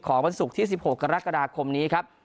ของประสุทธิ์ที่๑๖กรกฎาคมนี้ครับ